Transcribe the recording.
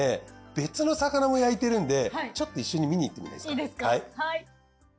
別の魚も焼いてるんでちょっと一緒に見に行ってみますか。